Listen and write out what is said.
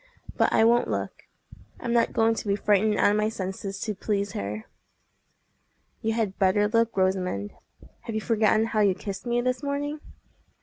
But I won't look. I'm not going to be frightened out of my senses to please her." "You had better look, Rosamond. Have you forgotten how you kissed me this morning?"